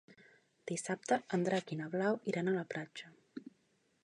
Dissabte en Drac i na Blau iran a la platja.